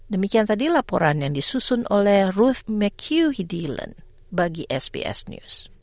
demikian tadi laporan yang disusun oleh ruth mchugh hedeland bagi sbs news